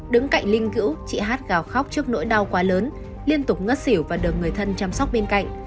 đứng cạnh linh cữu chị hát gào khóc trước nỗi đau quá lớn liên tục ngất xỉu và được người thân chăm sóc bên cạnh